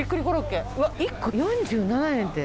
１個４７円て。